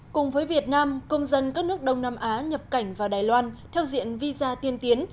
cùng với việt nam công dân các nước đông nam á nhập cảnh vào đài loan theo diện visa tiên tiến